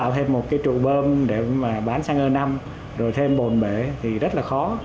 thêm một cái trụ bơm để mà bán xăng e năm rồi thêm bồn bể thì rất là khó